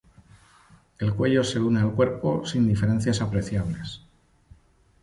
El cuello se une al cuerpo sin diferencias apreciables.